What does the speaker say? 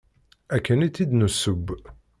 Akken i tt-id-nesseww.